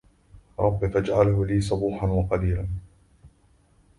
رَبِّ فاجعله لي صبوحاً وقَيْلاً